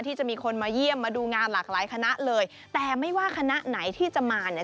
ที่จะมีคนมาเยี่ยมมาดูงานหลากหลายคณะเลยแต่ไม่ว่าคณะไหนที่จะมาเนี่ย